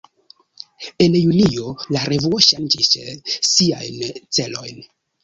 En junio, la revuo ŝanĝis siajn celojn.